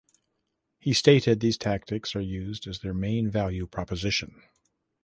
He stated these tactics were used as their main value proposition.